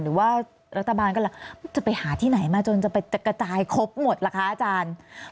หรือว่ารัฐบาลกำลังจะไปหาที่ไหนมาจนจะไปกระจายครบหมดล่ะคะอาจารย์